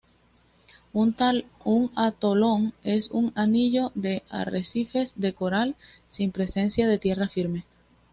Un atolón es un anillo de arrecifes de coral, sin presencia de tierra firme.